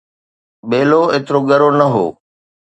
ٻيلو ايترو ڳرو نه هو